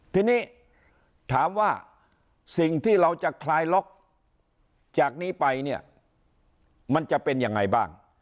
ทีนี้ถามว่าสิ่งที่เราจะคลายล็อกจากนี้ไปเนี่ยมันจะเป็นยังไงบ้าง